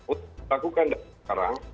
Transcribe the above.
untuk melakukan dari sekarang